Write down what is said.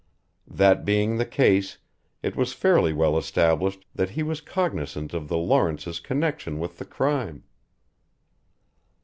That being the case it was fairly well established that he was cognizant of the Lawrences' connection with the crime.